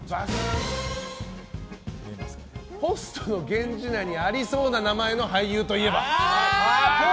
ホストの源氏名にありそうな名前の俳優といえば？